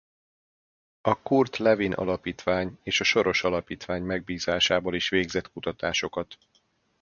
A Kurt Lewin Alapítvány és a Soros Alapítvány megbízásából is végzett kutatásokat.